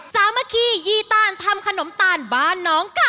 สามัคคียีตานทำขนมตาลบ้านน้องกะ